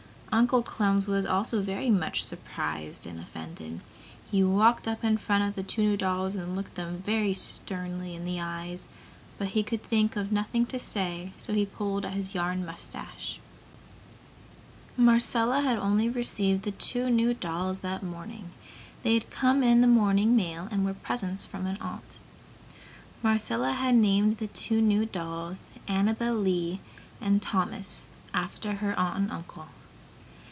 Uncle Clem was also very much surprised and offended. He walked up in front of the two new dolls and looked them sternly in the eyes, but he could think of nothing to say so he pulled at his yarn mustache. Marcella had only received the two new dolls that morning. They had come in the morning mail and were presents from an aunt. Marcella had named the two new dolls Annabel Lee and Thomas, after her aunt and uncle.